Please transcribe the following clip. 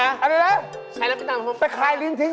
อะไรนะใช่แล้วเป็นน้ำของพ่อมารไปคลายลิ้นทิ้งไป